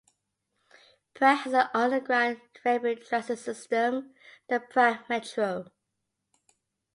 Prague has an underground rapid transit system, the Prague Metro.